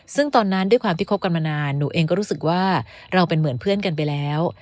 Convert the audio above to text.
ซึ่งตอนนั้นด้วยความที่คบกันมานานหนูเองก็รู้สึกว่าเราเป็นเหมือนเพื่อนกันไปแล้ว